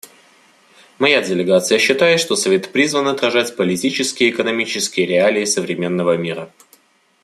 Моя делегация считает, что Совет призван отражать политические и экономические реалии современного мира.